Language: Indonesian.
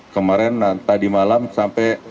kemarin tadi malam sampai